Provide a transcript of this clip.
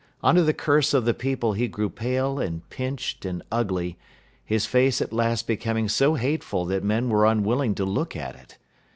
Under the curse of the people he grew pale and pinched and ugly, his face at last becoming so hateful that men were unwilling to look at it.